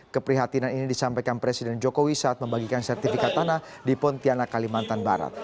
keprihatinan ini disampaikan presiden jokowi saat membagikan sertifikat tanah di pontianak kalimantan barat